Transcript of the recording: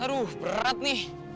aduh berat nih